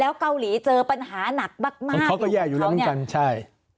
แล้วเกาหลีเจอปัญหาหนักมากอยู่ของเขา